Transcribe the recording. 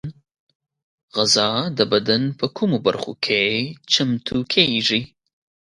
غذا د بدن په کومو برخو کې چمتو کېږي؟